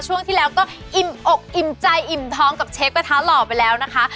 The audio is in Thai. ช่วงที่แล้วก็อิ่มอกอิ่มใจอิ่มท้องกับเชฟกระทะหล่อไปแล้วนะคะ